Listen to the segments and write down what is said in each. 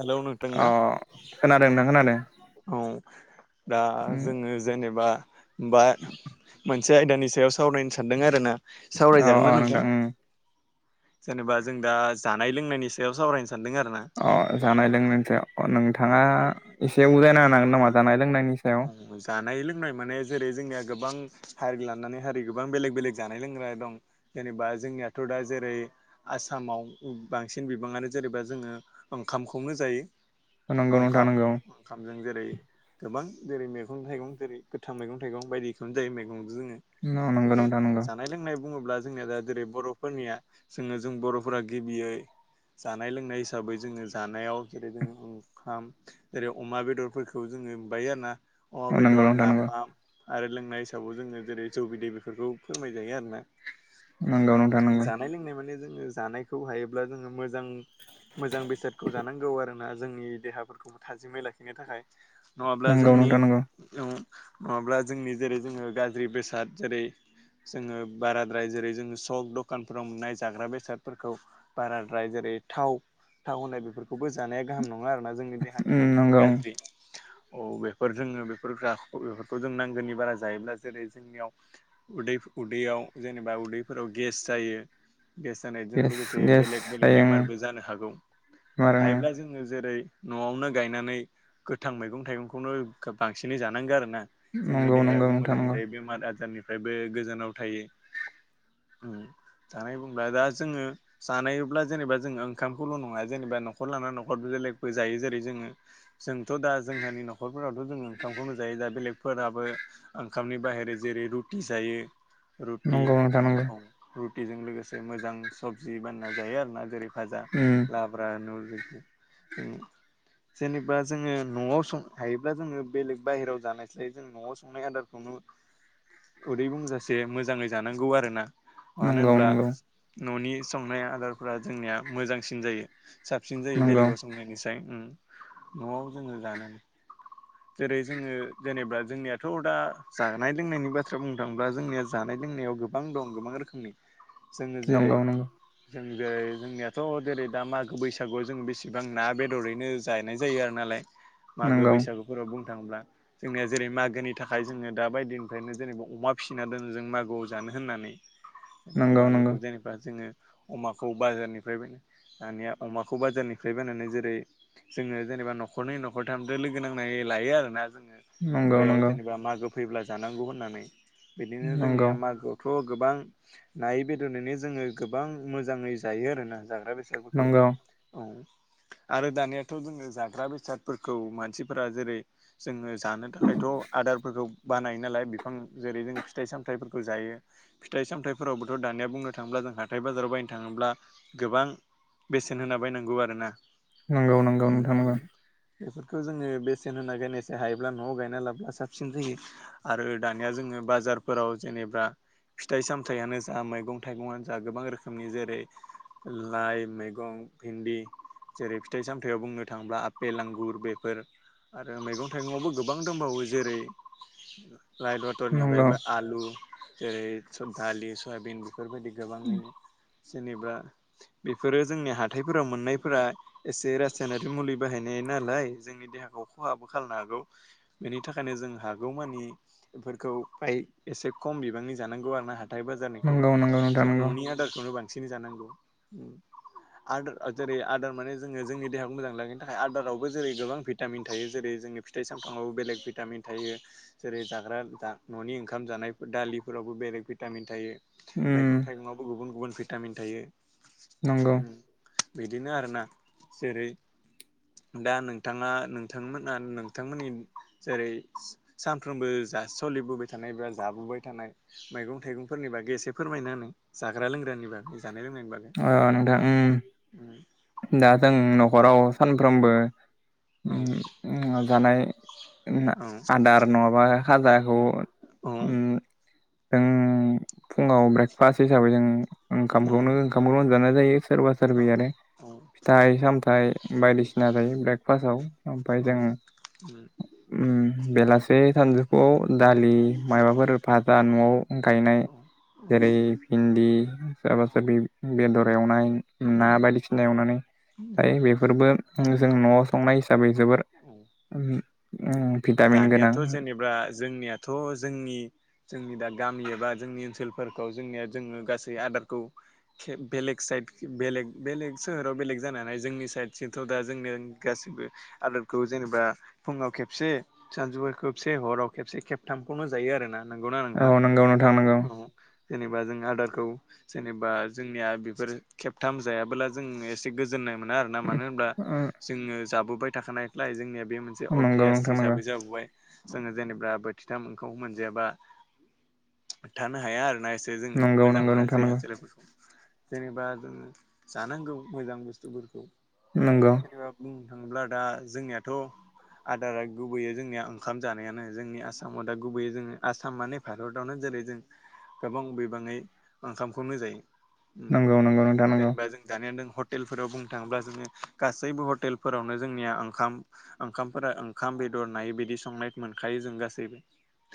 Hello नोंथांना अ खोनादों नोंथां खोनादों। औ दा उम जोङो जेनेबा बा मोनसे आयदानि सायाव सावरायनो सानदों आरोना अ सावरायजागोन अ ना नोंथां! उम जेनेबा जों दा जानाय लोंनायनि सायाव सावरायनो सानदों आरो ना अ जानाय लोंनायनि अ नोंथाङा एसे उजायना होनो हागोन नामा जानाय लोंनायनि सायाव जानाय लोंनाय माने जेरै जोंनिया गोबां हारि लानानै हारि गोबां बेलेक बेलेग जानाय लोंग्रा दं जेनेबा जोंनियाथ' दा जेरै आसा माव बांसिन बिबाङानो जेरैबा जोङो ओंखामखौनो जायो नंगौ नोंथां ओंखाम नंगौ ओंखामजों जेरै गोबां जेरै- मेगं थाइगं जेरै गोथां मैगं थाइगं बायदिखौनो जायो मेगं जोङै औ नंगौ जेरै नोंथां नंगौ जानाय लोंनाय बुङोब्ला जोंनिया दा जेरै बर'फोरनिया जोङो जों बर'फोरा गिबियै जानाय लोंनाय हिसाबै जोङो जानायाव जेरै जों ओंखाम जेरै अमा बेदरफोरखौ जों ङो बायो आरो ना अमा औ नंगौ बेदर नोंथां नंगौ नाफाम आरो लोंनाय हिसाबाव जोङो जेरै जौ बिदे बेफोरखौ फोरमायजायो आरो ना नांगौ नोंथां नंगौं माने जोङो जानायखौ हायोब्ला जोङो मोजां-मोजां बेसादखौ जानांगौ आरोना जोंनि देहाफोरखौ थाजिमै लाखिनो थाखाय नङाब्ला नंगौ जोंनि नोंथां नंगौ नङाब्ला जोंनि जेरै जोङो गाज्रि बेसाद जेरै जोङो बाराद्राय जेरै जोङो सक दखानफोराव मोननाय जाग्रा बेसादफोरखौ बाराद्राय जेरै थाव-थाव होननाय बेफोरखौबो जानाया गाहाम न ङा आरोना जोंनि देहानि उम थाखाय बेफोर नंगौ गाज्रि औ बे फोर जोङो बेफोर [unintelligible] बेफोरखौ जों नांगोनि बारा जायोब्ला जेरै जोंनियावै उदै-उदैयाव जेनेबा उदैफोराव गेस जायो गेस जानायजों गेस लोगोसे गेस बेलेग बेलेक जायो उम बेमारबो जानो हागौ आरो उम हायोब्ला जोङो जेरै न'आवनो गायनानै गोथां मैगं थाइगंखौनो गोबांसिनै जानांगो आरो ना जोंनि नंगौ नंगौ देहायाबो नोंथां मोजाङै नंगौ थायो बेमार आजारनिफ्रायबो गोजानाव थायो उम जानाय बुंब्ला दा जोङो जानायोब्ला जेनेबा जोङो ओंखामखौल' नङा जेनेबा न'खर लाना न'खर बे लेकबो जायो जरै जोङो जोंथ' दा जोंहानि न'खर जों ओंखामखौनो जायो दा बेलेगफोराबो ओंखामनि बाहेरै जेरै रुटि जायो रुटि नंगौ नोंथां नंगौ औ रुटिजों लोगोसे मोजां सबजि बानना जायो आरोना जेरै भाजा उम लाब्रा नुल [inaudible] उम जेनेबा जोङो न'आव सं हायोब्ला जोङो बेलेग बाहेरायाव जानायस्लाय जों न'आव संनाय आदारखौनो उदै बुंजासे मोजाङै जानांगौ आरो ना मानो नंगौ होमब्ला नंगौ न'नि संनाय आदारफोरा जोंनिया मोजांसिन जायो साबसिन जायो नंगौ बेलेगाव समंनायनिसाय उम न'आव जोङो जानानै जेरै जोङो जेनेबा जोंनियाथ' दा जानाय लोंनायनि बाथ्रा बुंनो थाङोब्ला जोंनिया जानाय लों नायाव गोबां दं गोबां रखोमनि जोङो जेरै नंगौ जों जेरै जोंनियाथ' जेरै दा मागो बैसागुआव जों बेसेबां ना बेदरैनो जानाय जायो आरो नालाय मागो नंगौ बैसागुफोराव बुं [unintelligible] जोंनिया जेरै मागोनि थाखाय जोङो दा बायदिनिफ्रायनो जेनेबा अमा फिसिना दोन जों मागोआव जानो होननानै नंगौ नंगौ मागोखौ जेनेबा जोङो अमाखौ बाजारनिफ्राय बायना दानिया अमाखौ बाजारनिफ्राय बायनानै जेरै जोङो जेनेबा न'खरनै न' खरथामदो लोगो नांनाय लायो आरोना जोङो नंगौ नंगौ बेयाव जेनेबा मागो फैब्ला जानांगौ होननानै बिदिनो जोंनिया मागोआव थ' गोबां नायै बेदनैनो जोङो गोबां मोजाङै जायो आरोना जाग्रा नंगौ बेसादफोरखौ औ आरो दानियाथ' जोङो जाग्रा बेसाद फोरखौ मानसिफोरा जेरै जोङो जानो थाखायथ' आदारफोरखौ बानाय नालाय बिफां जेरै जोङो फिथाइ सामथायाइफोरखौ जायो फिथाइ सामथाइफोरावबोथ' दानिया बुंनो थाङोब्ला जों हाथाय बाजाराव बायनो थाङोब्ला गोबां बेसेन होना बायनांगौ आरोना नंगौ नंगौ नोंथां नंगौ बेफोरखौ जोङो बेसेन होना बायनायसाय हायोब्ला न'आव गायना लाब्ला साबसिन जायो आरो दानिया जों ओ बाजारफोराव जेनेबा फिथाइ सामथायाइयानो जा मैगं थाइगंआनो जा गोबां रोखोमनि जेरै लाइ मैगं भिन्दि जेरै फिथाइ सामथायाव बुंनो थाङोब्ला आपेल आंगुर आंगुर बेफोर आरो मैगं थाइगंआवबो गोबां दंबावो जेरै लाइ मटरनि नंगौ अनगायैबो आलु जेरै दालि सयाबिन बेफोरबायदि गोबाङैनो जेनेबा बेफोरो जोंनि हाथायफोराव मोननायफोरा एसे रासायनारि मुलि बाहायनाय नालाय जोंनि देहाखौ खहाबो खालामनो हागौ बेनि थाखायनो जों हागौमानिफोरखौ खौ फाय एसे खम बिबांनि जानांगौ आरो ना हाथाय बाजारनिखौ नंगौ नंगौ नोंथां जों नंगौ न'नि आदारखौनो बांसि बांसिन जानांगौ आदार जेरै आदार माने जोङो जोंनि देहाखौ मोजां लाखिनो थाखाय आदाराव बो जेरै गोबां भिटामिन थायो जेरै जोंङो फिथाइ सामथामावबो बेलेग भिटामिन थायो जेरै जाग्रा न'नि ओंखाम जानायफोर दालिफोरावबो बेलेग भिटामिन थायो उम मैगं थाइगङावबो गुबुन गुबुन भिटामिन थायो नंगौ बिदिनो आरोना जेरै दा नोंथाङा नोंथांमोना नोंथांमोननि जेरै सानफ्रोमबो जा सो सोलिबोबाय थानाय एबा जाबोबाय थानाय मैगं थाइगं फोरनि बागै एसे फोरमायना होन जाग्रा लोंग्रानि बागै जानाय लोंनायनि बागै आं आं नोंथां दा जों न'खराव सानफ्रोमबो औ उम उम जानाय आदार नङाबा खाजाखौ खौ उम जों फुङाव ब्रेकफास्ट हिसाबै जों ओंखामखौनो दानियाथ' ओंखामखौनो जानाय जायो सोरबा सोरबि आरो फिथाइ सामथाइ बायदिसिना जायो ब्रेकफास्टाव ओमफ्राय जों उम बेलासे सानजौफुआव दालि मायबाफोर फाजा न'आव गायनाय जेरै भिन्दि सोराबा सोरबि बेदर एवनाय ना बायदिसिना एवनानै जायो बेफोरबो जों न'आव संनाय फोर उम भिटा दानियाथ' जेनेबा जोंनियाथ' जोंनि जोंनि दा गामि एबा जोंनि ओनसोलफोर फोरखौ जोंनिया जोङो गासै आदारखौ खेब बेलेग साइद बेलेग बेलेग सोहोर बेलेग जानानै जोंनि साइद सिमथ' दा जोंनि गासिबो आदोरखौ जेनेबा फुङाव खेबसे सानजौफुआव खेबसे हराव खेबसे खेबथामखौनो जायो आरोना नंगौना नोंथां औ नोंगौ नोंथां नंगौ औ जेनेबा जों आदारखौ जेनेबा जोंनिया बेफोर खेबथाम जायाबोला जों एसे गोजोननाय मोना आरोना मानो होना जोङो जाबोबाय थाखानायख्लाय जोंनिङा बे मोनसे नंगौ अभियास नोंथां नंगौ हिसाबै जाबोबाय जोङो जेनेबा बोथिथामखौ मोनजायाबा थानो हाया आरोना गोसो जोङो नंगौ मोजां नंगौ मोना नोंथां देहा नंगौ सोलेरफोरखौ जेनेबा जोंङो जानांगौ मोजां बुस्थुफोरखौ नंगौ जेनेबा बुं दा जोंनियाथ' आदारा गुबैयो जोंनिया ओंखाम जानायानो जोंनि आसामाव दा गुबैै जोङो आसाम माने भारतावनो जों जेरै जों गोबां बिबाङै ओंखामखौनो जायो नंगौ जेनेबा जों जानायानो दं हटेलफोराव बुंनो थाङोब्ला जोङो गासैबो हटेलफोरावनो जोंनिया ओंखाम ओंखामफोरा ओंखाम बेदर नायै बिदि संनाय मोनखायो जों गासैबो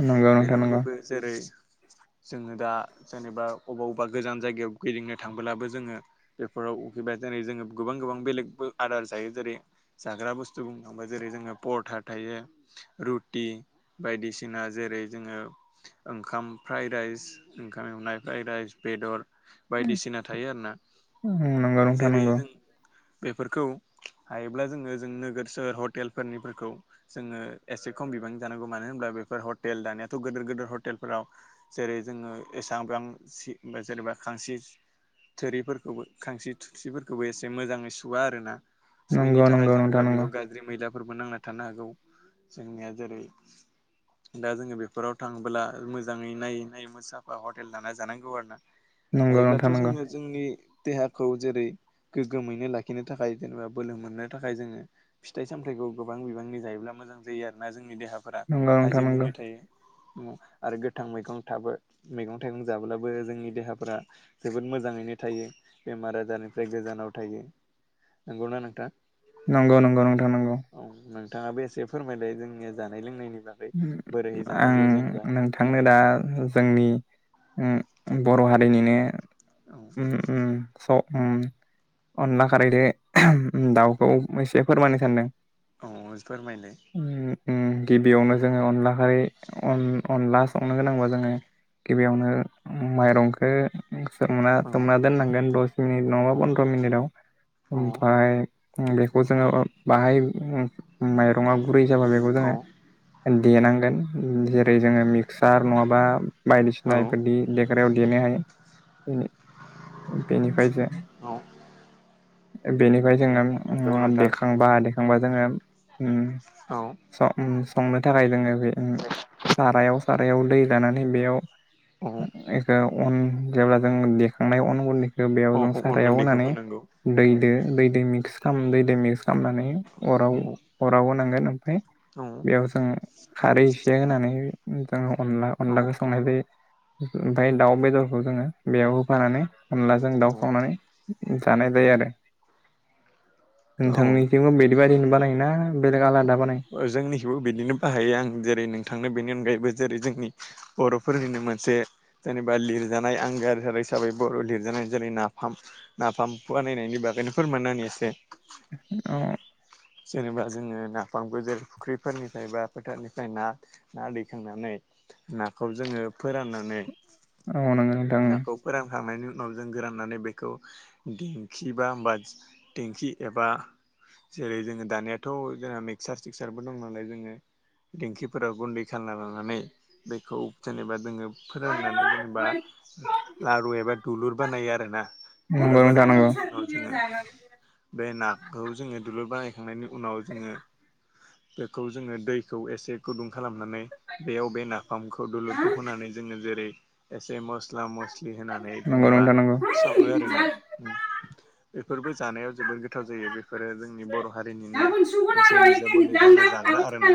नंगौ नोंथां नंगौ बेेनबो जेरै जोङो दा जेनेबा अबेबा अबेबा गोजान जायगायाव गिदिंनो थांबोब्लाबो जोङो बेफोराव उखैबा जेरै जोङो गोबां गोबां बेलेग आदार जायो जेरै जाग्रा बुस्थु बुंनो थांबा जेरै जोङो परथा थायो रुटि बायदिसिना जेरै जेरै जोङो ओंखाम फ्राइ राइस ओंखाम एवनाय फ्राइ राइस बेदर बायदिसिना थायो आरोना नंगौ नोंथां नंगौ नोंथां जेरै नंगौ जों बेफोरखौ हाय दा जोंङ जों नोगोर सोहोर हतेल फोरनि फोरखौ जोंङ एसे खमबिबांनि जानांगौ मानो होनल्बा बेफोर हटेल दानियाथ' गदेर गेदेर हटेलफोराव जेरै जोङो एसेबां जेनबा खांसि थोरिफोरखौबो खांसी थोरसिफोरखौबो एसे मोजाङै सुवआ आरोना सुयैनि नंगौ थाखाय नंगौ जेनेबा नोंथां नंगौ बेयाव गाज्रि मैला फोरबो नांना थानो हागौ जोंनिया जेरै दा जोङो बेफोराव थाङोब्ला मोजाङै नायै नायै मोसाफा हटेल लाना जानांगौ आरो ना नंगौ हायोब्लाथ' नोंथां नंगौ जोङो जोंनि देहाखौ जेरै गोगोमैनो लाखिनो थाखाय जेनेबा बोलो मोननो थाखाय जोङो फिथाइ सामथायाइखौ गोबां बिबांनि जायोब्ला मोजां जायो आरोन जों देहाफोरा नंगौ नोंथां नंगौ थाजिमैनो थायो आरो गोथां मैगं थाबो मैगं थाइगं जाब्लाबो जोंनि देहाफ्रा जोबोद मोजां मोजाङैनो थायो बेमार आजारनिफ्राय गोजानाव थायो नंगौना नों नंगौ नंगौ नोंथां नंगौ नोंथांङाबो एसे फोरमायलाय जोंनि जानाय लोंनायनि बागै बोरैहै आं जानांगौ जेनेबा नोंथांनो दा जोंनि ओ बर' हारिनिनो औ ओ स अनला खारैजों दाउखौ एसे फोरमायनो सानदों औ फोरमायलाय उम उम गिबियावनो जोङो अनला खारै अनला संनो गोनां बा जोङो गिबियावनो माइरंखौ सोमना औ सोमना दोननांगोन दस मिनिट नङाबा पन्द्र' मिनिटाव औ ओमफ्राय बेखौ जोङो बाहाय माइरङा गुरै जाबा बेखौ औ जोङो देनांगोन जेरै जोङो मिक्सार नङाबा औ बायदिसिना बेफोर देग्रायाव देरनो हायो बे बेनिफ्रायसो औ बेनि नंगौ जोङो नोंथां देखांबा देखांबा जोङो औ संनो थाखाय जोङो बे सारायाव सारायाव दै लानानै बेयाव अ बेखौ अन जेब्ला जों देखांनाय अन गुन्दैखौ औ बेयाव जों अन सारायाव गुन्दैखौ होनानै होनांगौ दै औ जों दै जों मिक्स खालाम दै मिक्स खालामामनानै औ अराव अराव होनांगोन ओमफ्राय औ बेयाव जों खारै एसे होनानै जोंङ अनला अनलाखौ औ संनाय जायो ओमफ्राय दाउ बेदरखौ जोङो बेयाव होफानानै अनला जों दाउ संनानै जानाय जायो आरो औ नोंथांनिथिंबो बिदि बायदि बानायो ना जोंनिखौबो बिदिनो बाहायो आं जेरै नोंथांनो बेनि अनगायैबो जेरै जोंनि बर'फोरनिनो मोनसे जेनेबा लिरजानाय आं हिसाबै बर' लिरजानाय जेरै नाफाम नाफाम फुव नायनायनि बागैनो फोरमायनो आं एसे औ जेनेबा जोङो नाफामबो जेरै फुख्रिफोरनिफ्राय बा फोथारनिफ्राया ना दैखांनानै नाखौ जोङो फोराननानै औ नंगौ नोंथां नाखौ फोरानखांनायनि उनाव न'जों गोराननानै बेखौ दिेंखि बा बा दिंखि एबा जेरै जोङो दानिथ' जोंहा मिक्सार तिक्सारबो दं नालाय जोङो दिंखिफोराव गुन्दै खालामना लानानै बेखौ जेनेबा जोङो फोराननानै जेनेबा लारु एबा दुलुर बानायो आरो ना। दुलु नंगौ नोंथां नंगौ बानायखांनायनि उनाव जोङो बे नाखौ जोङो बनायनि उनाव जों बेखौ जों दैखौ एसे गोदौ खालामनानै बेयाव बे नाफामखौ दुलुरखौ होनानै जोङो जेरै एसे मसला मस बि होनानै नंगौ जेनेबा नोंथां नंगौ सङो आरो ना। बेफोरबो जानायाव जोबोद गोथाव जायो बेफोरो जोंनि बर' हारिनिनो मोनसे बिजाबाव लिरहानाय जाग्रा आरोना।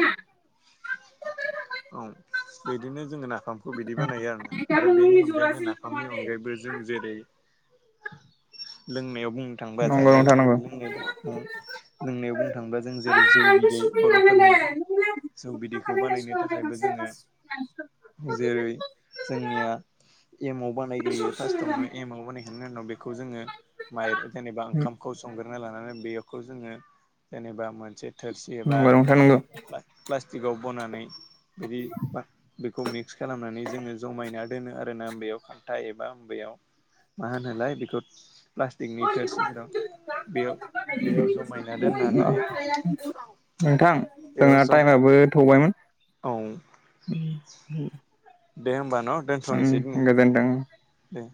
औ बिदिनो जोङोना नाफामखौ बिदि बानायो आरोोना आरो बेनि अनगायैबो नाफामनि अनगायैबो जों जेरै लोंनायाव बुंनो थांबा नंगौ जाग्रा नोंथां नंगौ लों बुं लोंनायाव बुं थांबाय [unintelligible] जौ बिदैखौ बानायनो थाखायबो जोङो जेरै जोंनिया एम आव बानायग्रोयो फार्स्टआवनो एम आव बानायखांनायनि उनाव बेखौ जोङो माइ जेनेबा ओंखामखौ संग्रोना लानानै बे खौ जोङो जेनेबा मोनसे थोरसि एबा नंगौ नोंथां नंगौ बा-बास टिकाव बनानै बिदि खौ मिक्स खालामनानै जोङो जमायना दोनो आरो ना आबयाव खान्था एबा बेयाव मा होनोलाय बेखौ प्लास्टिकनि थोरसिफोराव बेयाव [unintelligible] बेयाव जमायना दोननानै नोंथां बेयाव जोंना जम टाइमाबबो थ औ [inaudible] दे होमब न। उ दोनथ'नोसै दिनै गो गोन दोनदों दे